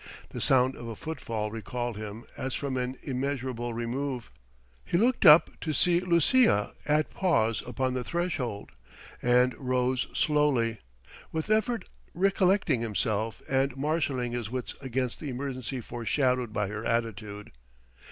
The sound of a footfall recalled him as from an immeasurable remove; he looked up to see Lucia at pause upon the threshold, and rose slowly, with effort recollecting himself and marshalling his wits against the emergency foreshadowed by her attitude.